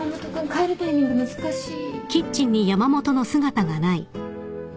帰るタイミング難しい。